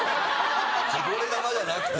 こぼれ球じゃなくて。